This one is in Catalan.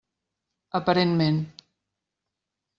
Aparentment.